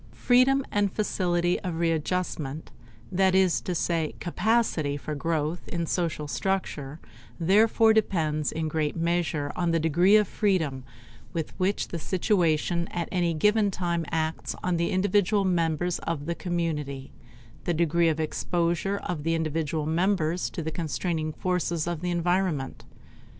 Freedom and facility of readjustment, that is to say capacity for growth in social structure, therefore depends in great measure on the degree of freedom with which the situation at any given time acts on the individual members of the community the degree of exposure of the individual members to the constraining forces of the environment.